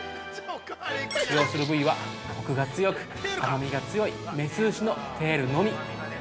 ◆使用する部位はコクが強く、甘みが強い、メス牛のテールのみ。